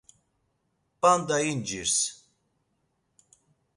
p̌anda incirs.